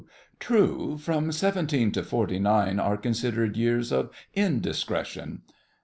True; from seventeen to forty nine are considered years of indiscretion.